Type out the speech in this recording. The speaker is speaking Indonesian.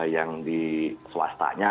yang di swastanya